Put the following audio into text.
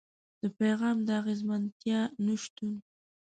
د پيغام د اغېزمنتيا نشتون.